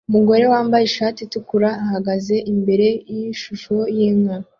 Umugore wambaye ishati itukura ahagaze imbere yishusho yinka